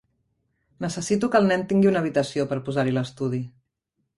Necessito que el nen tingui una habitació per posar-hi l'estudi.